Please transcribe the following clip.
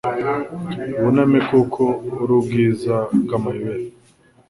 Wuname kuko ari ubwiza bw'amayobera